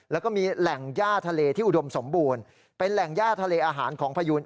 แล้วก็มีแหล่งย่าทะเลที่อุดมสมบูรณ์เป็นแหล่งย่าทะเลอาหารของพยูน